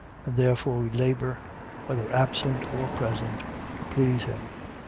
5:9. And therefore we labour, whether absent or present, to please him.